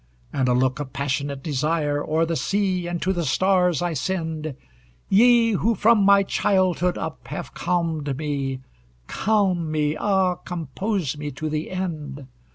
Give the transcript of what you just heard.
And a look of passionate desire O'er the sea and to the stars I send: "Ye who from my childhood up have calmed me, Calm me, ah, compose me to the end!